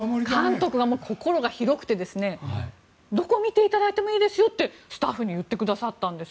実は監督が心が広くてどこを見ていただいてもいいですよとスタッフに言ってくださったんです。